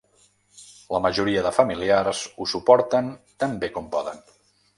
La majoria de familiars ho suporten tan bé com poden.